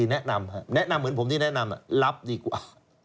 แนะนำเหมือนผมที่แนะนำหลับดีกว่า